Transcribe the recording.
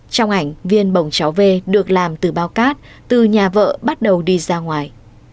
trong ảnh viên bồng cháu v được làm từ bao cát từ nhà vợ bắt đầu đi ra ngoài